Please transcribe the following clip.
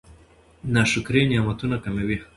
ناشکري نعمتونه کموي.